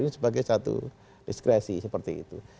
ini sebagai satu diskresi seperti itu